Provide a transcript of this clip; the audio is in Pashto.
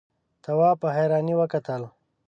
تواب په حيرانۍ وکتل.